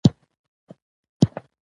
خو څه وکړم ؟